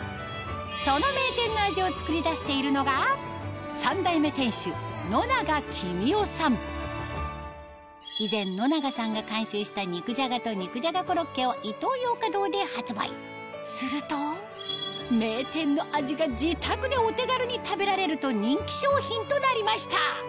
その名店の味をつくり出しているのが以前野永さんが監修した肉じゃがと肉じゃがコロッケをイトーヨーカドーで発売すると名店の味が自宅でお手軽に食べられると人気商品となりました